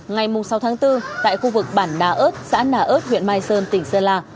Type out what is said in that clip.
ngày sáu tháng bốn tại khu vực bản đà ơt xã nà ơt huyện mai sơn tỉnh sơn la